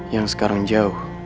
yang sekarang jauh